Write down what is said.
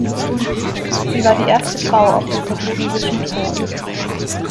Sie war die erste Frau auf dem portugiesischen Thron.